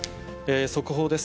速報です。